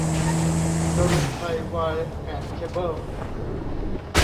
จรุงไทยไวร์แอนด์เคเบิ้ล